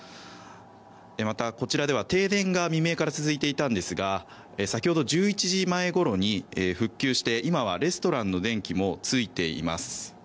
また、こちらでは停電が未明から続いていたんですが先ほど１１時前ごろに復旧して今はレストランの電気もついています。